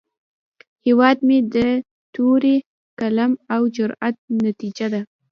هیواد مې د تورې، قلم، او جرئت نتیجه ده